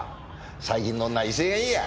最近の女は威勢がいいや。